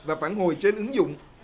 và phản hồi trên ứng dụng